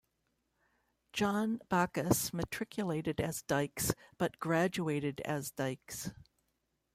John Bacchus matriculated as Dikes but graduated as Dykes.